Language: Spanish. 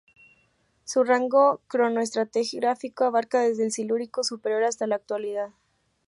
Su rango cronoestratigráfico abarca desde el Silúrico superior hasta la Actualidad.